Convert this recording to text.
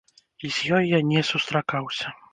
І з ёй я не сустракаўся.